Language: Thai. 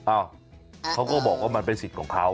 เขาก็บอกว่ามันเป็นสิทธิ์ของเขา